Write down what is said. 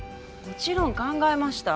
もちろん考えました。